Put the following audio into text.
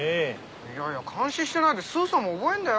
いやいや感心してないでスーさんも覚えんだよ？